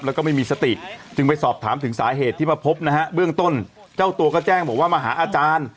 แล้วก็ไม่มีสติจึงไปสอบถามถึงสาเหตุที่มาพบนะฮะเบื้องต้นเจ้าตัวก็แจ้งบอกว่ามาหาอาจารย์